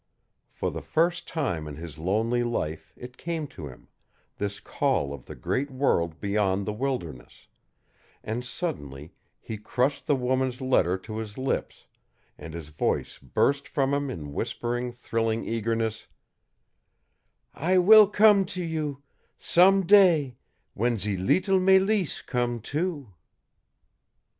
For the first time in his lonely life it came to him this call of the great world beyond the wilderness; and suddenly he crushed the woman's letter to his lips, and his voice burst from him in whispering, thrilling eagerness: "I will come to you some day w'en ze leetle Mélisse come too!"